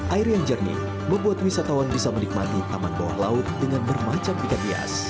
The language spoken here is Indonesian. air yang jernih membuat wisatawan bisa menikmati taman bawah laut dengan bermacam ikan hias